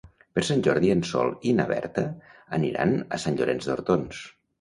Per Sant Jordi en Sol i na Berta aniran a Sant Llorenç d'Hortons.